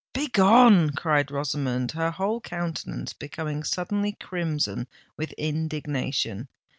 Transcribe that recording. "Begone!" cried Rosamond, her whole countenance becoming suddenly crimson with indignation.